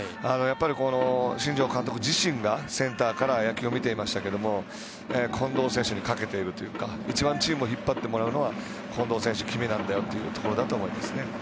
やっぱり、新庄監督自身がセンターから野球を見ていましたけど近藤選手にかけているというかチームを引っ張ってもらうのは近藤選手、君なんだよというところだと思いますね。